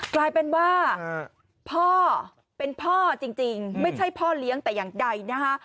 กลายเป็นว่าพ่อเป็นพ่อจริงไม่ใช่พ่อเลี้ยงแต่อย่างใดนะคะ